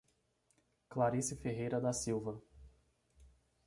Clarice Ferreira da Silva